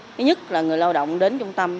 thứ nhất là người lao động đến trung tâm